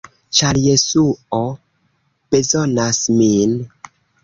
ĉar Jesuo bezonas min.